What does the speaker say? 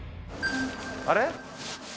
あれ？